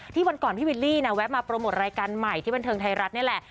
วันก่อนพี่วิลลี่นะแวะมาโปรโมทรายการใหม่ที่บันเทิงไทยรัฐนี่แหละ